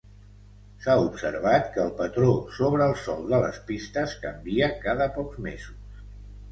S'ha observat que el patró sobre el sòl de les pistes canvia cada pocs mesos.